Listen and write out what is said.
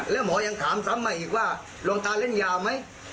แล้วหมอยังถามซ้ำมาอีกว่าลองทานเล่นยาไหม